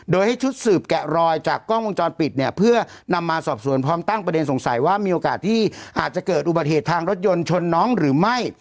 โดยให้ชุดสืบแกะรอยจากกล้องวงจรปิดเนี่ยเพื่อนำมาสอบสวนพร้อมตั้งประเด็นสงสัยว่ามีโอกาสที่อาจจะเกิดอุบัติเหตุทางรถยนต์ชนน้องหรือไม่